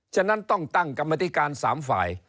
ฉะนั้นต้องตั้งกรรมธิการ๓ฝ่าย